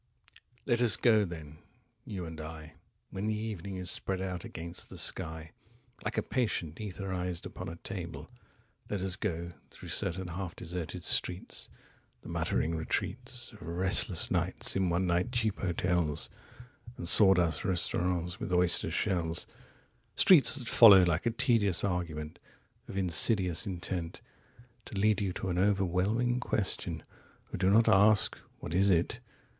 1Let us go then, you and I,2When the evening is spread out against the sky3Like a patient etherized upon a table;4Let us go, through certain half deserted streets,5The muttering retreats6Of restless nights in one night cheap hotels7And sawdust restaurants with oyster shells:8Streets that follow like a tedious argument9Of insidious intent10To lead you to an overwhelming question ...11Oh, do not ask, "What is it?"